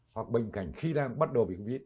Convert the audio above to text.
hoặc bệnh cảnh khi đang bắt đầu bị covid